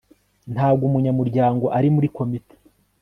ntabwo umunyamuryango ari muri komite